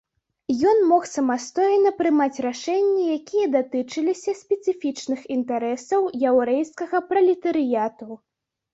Ён мог самастойна прымаць рашэнні, якія датычыліся спецыфічных інтарэсаў яўрэйскага пралетарыяту.